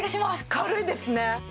軽いですね！